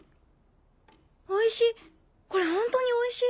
おいしい！